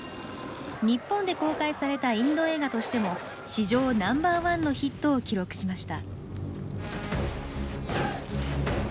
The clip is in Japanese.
日本で公開されたインド映画としても史上Ｎｏ．１のヒットを記録しました。